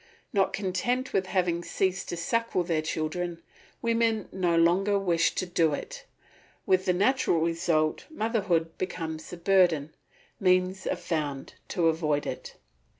Not content with having ceased to suckle their children, women no longer wish to do it; with the natural result motherhood becomes a burden; means are found to avoid it.